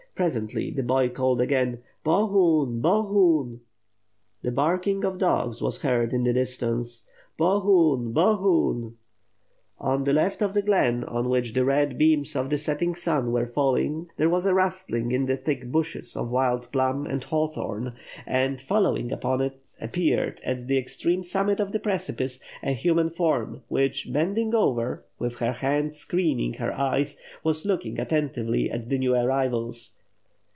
Pre sently the boy called again: "Bo— hun! Bo— hun! ...'' WITH FIRE AND SWORD. 655 The barking of dogs was heard in the distance. "Bo— hun! Bo— huni" On the left of the gle'ln on which the red beams of the setting sun were falling there was a rustling in the thick bushes of wild plum and hawthorn; and, following upon it, appeared at the extreme summit of the precipice, a human form, which bending over, with her hand screening her eyes, was looking attentively at the new arrivals.